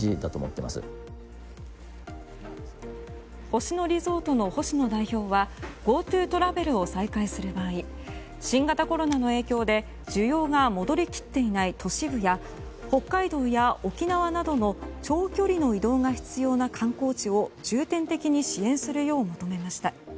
星野リゾートの星野代表はＧｏＴｏトラベルを再開する場合新型コロナの影響で需要が戻り切っていない都市部や北海道や沖縄などの長距離の移動が必要な観光地を重点的に支援するよう求めました。